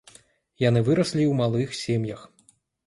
Яны выраслі ў малых сем'ях.